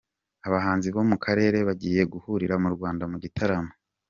Abahanzi bo mu karere bagiye guhurira mu Rwanda mu gitaramo